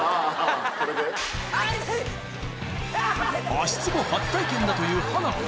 足ツボ初体験だというハナコ